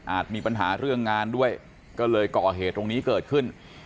มีปัญหาเรื่องงานด้วยก็เลยก่อเหตุตรงนี้เกิดขึ้น